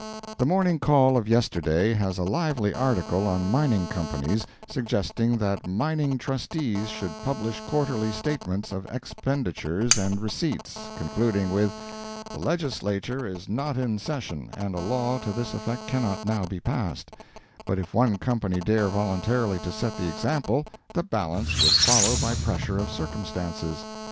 —The Morning Call of yesterday has a lively article on Mining Companies, suggesting that Mining Trustees should publish quarterly statements of Expenditures and Receipts, concluding with: "The Legislature is not in session, and a law to this effect cannot now be passed; but if one Company dare voluntarily to set the example, the balance would follow by pressure of circumstances.